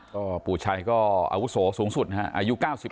ก็ผู้ชายก็อาวุโสสูงสุดค่ะอายุเก้าสิบเอ็ดปี